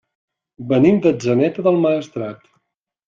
Venim d'Atzeneta del Maestrat.